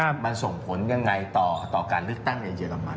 มันส่งผลยังไงต่อการเลือกตั้งในเรมัน